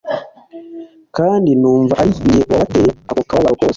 kandi numva ari jye wabateye ako kababaro kose